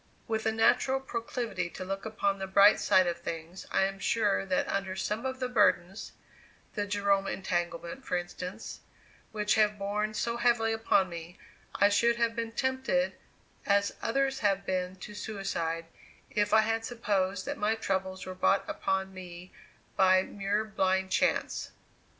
With a natural proclivity to look upon the bright side of things, I am sure that under some of the burdens the Jerome entanglement, for instance which have borne so heavily upon me, I should have been tempted, as others have been, to suicide, if I had supposed that my troubles were brought upon me by mere blind chance.